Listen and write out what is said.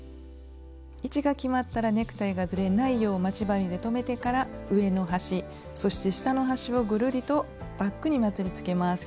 位置が決まったらネクタイがずれないよう待ち針で留めてから上の端そして下の端をぐるりとバッグにまつりつけます。